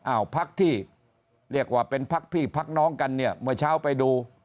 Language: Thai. พักที่เรียกว่าเป็นพักพี่พักน้องกันเนี่ยเมื่อเช้าไปดู